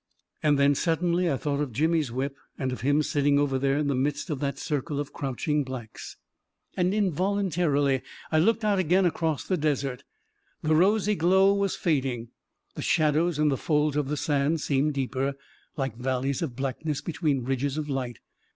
And then suddenly I thought of Jimmy's whip, and of him sitting over there in the midst of that circle of crouching blacks ... 362 A KING IN BABYLON And Involuntarily I looked out again across the desert ... The rosy glow was fading; the shadows in the folds of the sand seemed deeper, like valleys of blackness between ridges of light